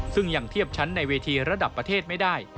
ซึ่งยังเทียบชั้นในเวทีระดับประเทศไม่ได้